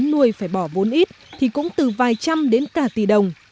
nhưng nếu phải bỏ vốn ít thì cũng từ vài trăm đến cả tỷ đồng